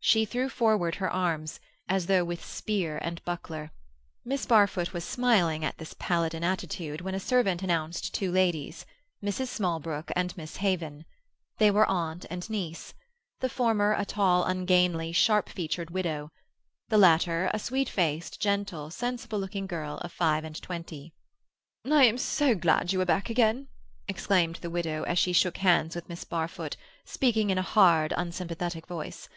She threw forward her arms, as though with spear and buckler. Miss Barfoot was smiling at this Palladin attitude when a servant announced two ladies—Mrs. Smallbrook and Miss Haven. They were aunt and niece; the former a tall, ungainly, sharp featured widow; the latter a sweet faced, gentle, sensible looking girl of five and twenty. "I am so glad you are back again," exclaimed the widow, as she shook hands with Miss Barfoot, speaking in a hard, unsympathetic voice.